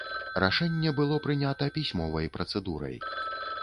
Рашэнне было прынята пісьмовай працэдурай.